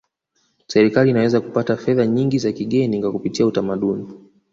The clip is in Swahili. serikali inaweza kupata fedha nyingi za kigeni kwa kupitia utamaduni